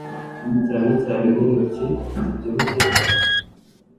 Cyane cyane n'intoki zibyibushye cyane